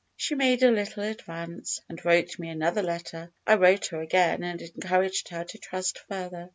She made a little advance, and wrote me another letter. I wrote her again, and encouraged her to trust further.